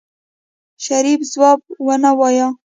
شريف ځواب ونه وايه.